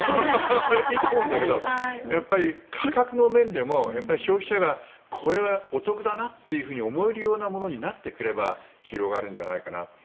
いいと思うんだけどやっぱり価格の面でも消費者がこれはお得だなと思えるようなものになってくれば広がるんじゃないかな。